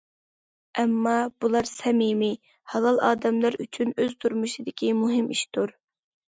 ئەمما، بۇلار سەمىمىي، ھالال ئادەملەر ئۈچۈن ئۆز تۇرمۇشىدىكى مۇھىم ئىشتۇر.